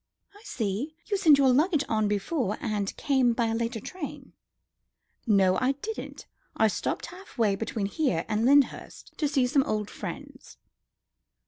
"I see. You sent the luggage on before, and came by a later train?" "No, I didn't. I stopped halfway between here and Lyndhurst to see some old friends."